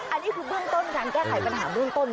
อันนี้คือเบื้องต้นการแก้ไขปัญหาเบื้องต้น